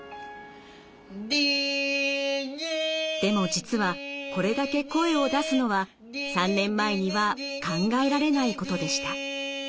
でも実はこれだけ声を出すのは３年前には考えられないことでした。